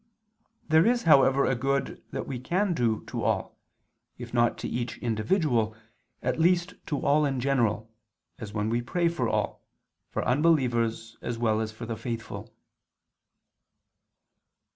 There is however a good that we can do to all, if not to each individual, at least to all in general, as when we pray for all, for unbelievers as well as for the faithful.